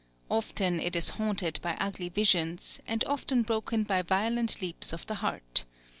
Often it is haunted by ugly visions, and often broken by violent leaps of the heart.